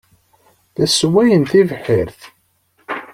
La sswayen tibḥirt.